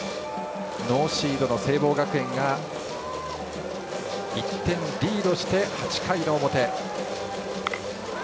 ノーシードの聖望学園が１点リードして８回の表。